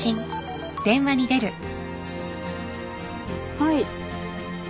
はい。